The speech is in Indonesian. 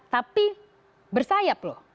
tapi bersayap loh